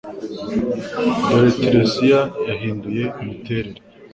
Dore Tiresiya yahinduye imiterere